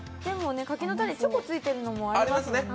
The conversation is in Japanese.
柿の種、チョコついてるのもありますもんね。